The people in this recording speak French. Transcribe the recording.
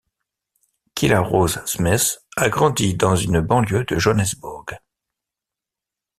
Kyla-Rose Smith a grandi dans une banlieue de Johannesburg.